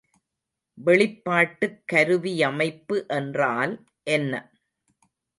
வெளிப்பாட்டுக் கருவியமைப்பு என்றால் என்ன?